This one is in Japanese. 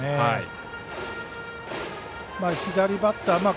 左バッター